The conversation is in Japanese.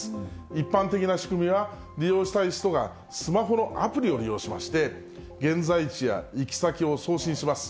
一般的な仕組みは、利用したい人がスマホのアプリを利用しまして、現在地や行き先を送信します。